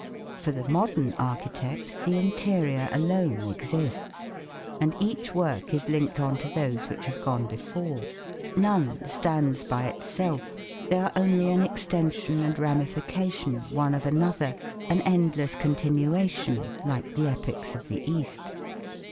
For the modern architect the interior alone exists, and each work is linked on to those which have gone before. None stands by itself. They are only an extension and ramification, one of another, an endless continuation like the epics of the East.